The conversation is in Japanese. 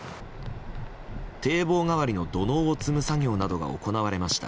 堤防代わりの土のうを積む作業などが行われました。